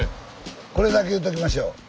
これだけ言うときましょう。